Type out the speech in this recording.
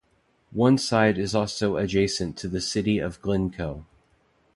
One side is also adjacent to the city of Glencoe.